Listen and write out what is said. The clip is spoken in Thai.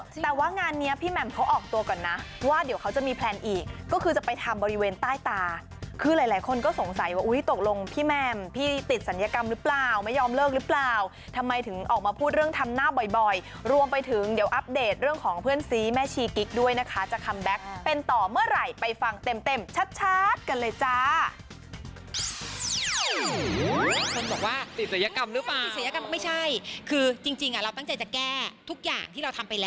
แต่ว่างานนี้พี่แหม่มเขาออกตัวก่อนนะว่าเดี๋ยวเขาจะมีแพลนอีกก็คือจะไปทำบริเวณใต้ตาคือหลายคนก็สงสัยว่าอุ้ยตกลงพี่แหม่มพี่ติดศัลยกรรมหรือเปล่าไม่ยอมเลิกหรือเปล่าทำไมถึงออกมาพูดเรื่องทำหน้าบ่อยรวมไปถึงเดี๋ยวอัปเดตเรื่องของเพื่อนซีแม่ชีกิ๊กด้วยนะคะจะคัมแบ็คเป็นต่อเมื่อไหร่ไปฟังเต็มชัดกันเลยจ้า